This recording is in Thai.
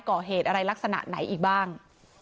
ก่อเหตุอะไรลักษณะไหนอีกบ้าง